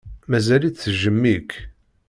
Mazal-itt tejjem-ik.